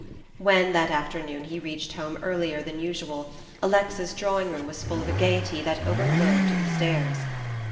When, that afternoon, he reached home earlier than usual, Alexa's drawing room was full of a gayety that overflowed to the stairs.